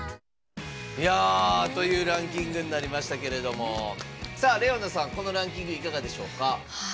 というランキングになりましたけれどもＲｅｏＮａさん、このランキングいかがでしょうか？